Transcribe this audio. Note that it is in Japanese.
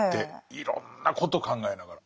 いろんなことを考えながら。